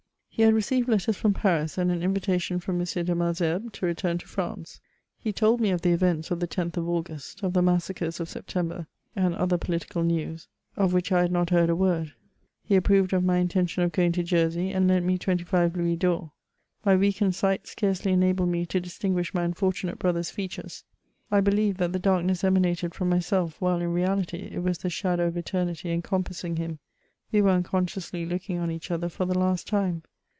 He had received letters from Pans, and an mvitation from M de Malesherbes, to return to France. He told me of the events of die 10th of August of the massacres of Sep tember, and other political news, of which I had not heard a word He approved of my intention of gomg to Jersey, and lent me twenty five louis d'or. My weakened sight scju^cely enabled me to distinguish my unfortunate brother s featoes, I beUeved that the darkness emanated from myself, while in reality it was the shadow of eternity encompassing him ; we were unconsciously looking on each other for the last time.